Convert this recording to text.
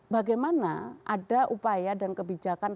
bagaimana ada upaya dan kebijakan